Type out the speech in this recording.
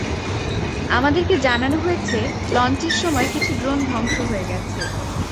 আমাদেরকে জানানো হয়েছে লঞ্চের সময় কিছু ড্রোন ধ্বংস হয়ে গেছে।